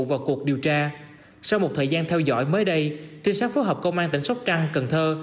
vào cuộc điều tra sau một thời gian theo dõi mới đây trinh sát phối hợp công an tỉnh sóc trăng cần thơ